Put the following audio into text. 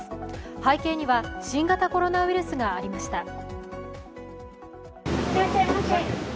背景には新型コロナウイルスがありました。